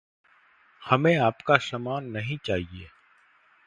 मुझे आपका सामान नहीं चाहिए।